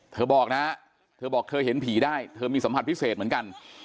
เธอบอกนะมีสัมผัสพิเศษเหมือนกัน